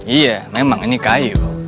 iya memang ini kayu